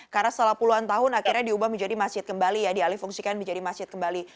karena setelah puluhan tahun akhirnya diubah menjadi masjid kembali dialih fungsikan menjadi masjid kembali